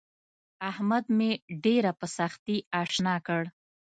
احمد مې ډېره په سختي اشنا کړ.